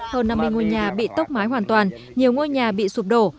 hơn năm mươi ngôi nhà bị tốc mái hoàn toàn nhiều ngôi nhà bị sụp đổ